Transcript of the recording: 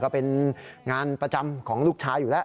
ก็เป็นงานประจำของลูกชายอยู่แล้ว